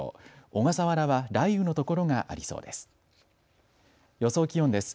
小笠原は雷雨の所がありそうです。